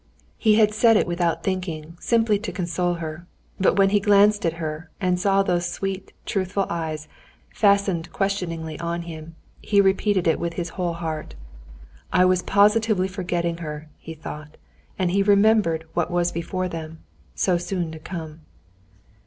He had said it without thinking, simply to console her. But when he glanced at her and saw those sweet truthful eyes fastened questioningly on him, he repeated it with his whole heart. "I was positively forgetting her," he thought. And he remembered what was before them, so soon to come.